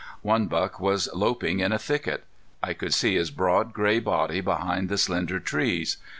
One buck was loping in a thicket. I could see his broad, gray body behind the slender trees.